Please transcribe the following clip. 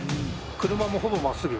車も、ほぼまっすぐ。